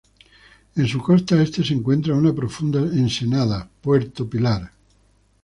En su costa este se encuentra una profunda ensenada, Puerto Pilar.